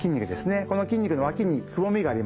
この筋肉の脇にくぼみがあります。